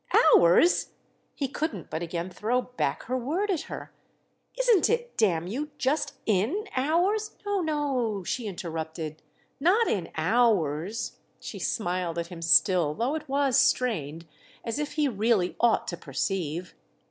"'Ours'?"—he couldn't but again throw back her word at her. "Isn't it, damn you, just in ours—?" "No, no," she interrupted—"not in ours!" She smiled at him still, though it was strained, as if he really ought to perceive.